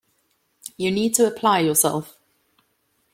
You need to apply yourself